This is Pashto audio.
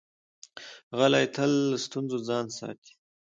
غلی، تل له ستونزو ځان ساتي.